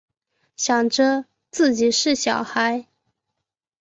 想着自己是小孩